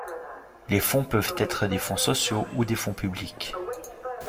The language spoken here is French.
Les fonds peuvent être des fonds sociaux ou des fonds publics.